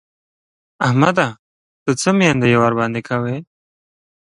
احمده! ته څه مينده يي ورباندې کوې؟!